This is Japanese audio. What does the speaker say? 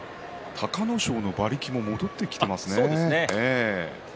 隆の勝の馬力も戻ってきていますね。